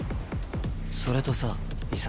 それとさ潔。